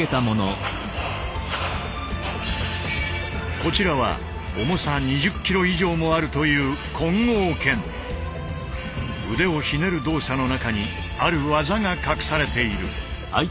こちらは重さ２０キロ以上もあるという腕をひねる動作の中にある技が隠されている。